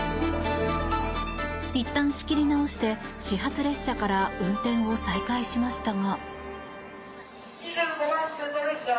いったん仕切り直して始発列車から運転を再開しましたが。